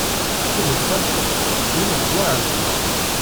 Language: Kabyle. kemm d tameṭṭut, kemmini tettwaɛezleḍ.